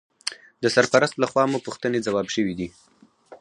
د سرپرست لخوا مو پوښتنې ځواب شوې.